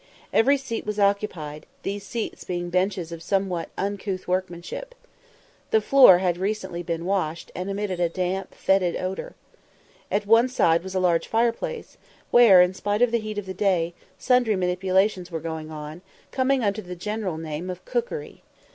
Every seat was occupied, these seats being benches of somewhat uncouth workmanship. The floor had recently been washed, and emitted a damp fetid odour. At one side was a large fireplace, where, in spite of the heat of the day, sundry manipulations were going on, coming under the general name of cookery.